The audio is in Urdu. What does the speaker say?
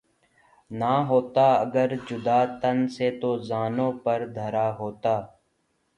نہ ہوتا گر جدا تن سے تو زانو پر دھرا ہوتا